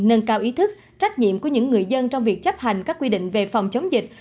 nâng cao ý thức trách nhiệm của những người dân trong việc chấp hành các quy định về phòng chống dịch